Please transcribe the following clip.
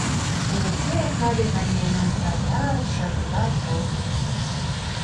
Элексей окна дек намиен ончалят, шыргыжал колтыш.